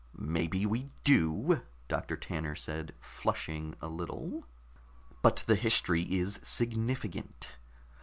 "Maybe we do," Doctor Tanner said, flushing a little. "But the history is significant.